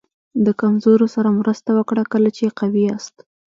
د کمزورو سره مرسته وکړه کله چې قوي یاست.